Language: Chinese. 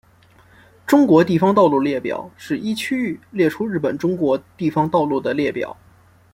中国地方道路列表是依区域列出日本中国地方道路的列表。